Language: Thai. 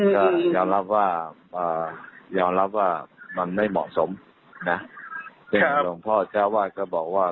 ก็ยอมรับว่ายอมรับว่ามันไม่เหมาะสมนะซึ่งหลวงพ่อเจ้าวาดก็บอกว่า